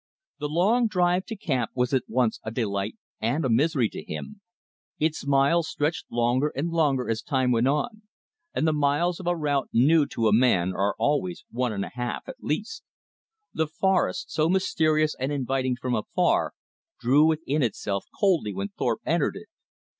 The long drive to camp was at once a delight and a misery to him. Its miles stretched longer and longer as time went on; and the miles of a route new to a man are always one and a half at least. The forest, so mysterious and inviting from afar, drew within itself coldly when Thorpe entered it.